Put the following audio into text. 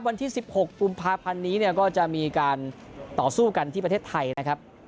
วันที่๑๖กุมภาพันธ์นี้เนี่ยก็จะมีการต่อสู้กันที่ประเทศไทยนะครับ